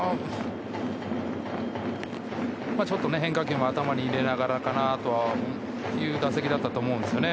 ちょっと変化球も頭に入れながらかなという打席だったと思うんですよね。